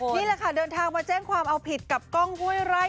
นี่แหละค่ะเดินทางมาแจ้งความเอาผิดกับกล้องห้วยไร่